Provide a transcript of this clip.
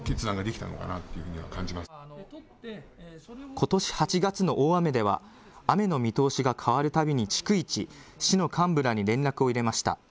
ことし８月の大雨では雨の見通しが変わるたびに逐一、市の幹部らに連絡を入れました。